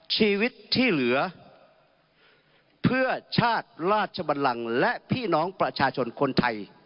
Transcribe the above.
ชีวิตที่เหลือเพื่อชาติราชบันลังและพี่น้องประชาชนคนไทย